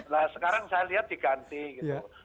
nah sekarang saya lihat diganti gitu